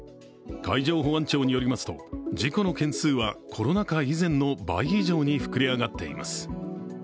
海上保安庁によりますと事故の件数はコロナ禍以前の倍以上に膨れ上がっています。